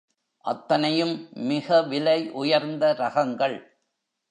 அத்தனையும் மிக விலை உயர்ந்த ரகங்கள்.